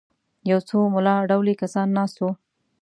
یو څو ملا ډولي کسان ناست وو.